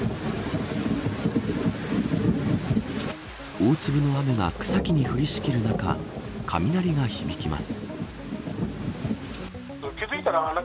大粒の雨が草木に降りしきる中雷が響きます。